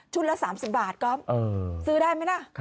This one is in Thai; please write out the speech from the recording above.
ชุดละ๓๐บาทซื้อได้ไหมนะ